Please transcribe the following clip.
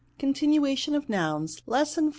CONTINUATION OF NOUNS. Lesson IV.